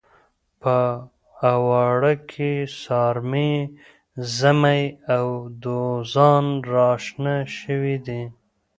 په اواړه کې سارمې، زمۍ او دوزان راشنه شوي دي.